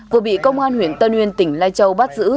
vừa bị công an huyện tân uyên tỉnh lai châu bắt giữ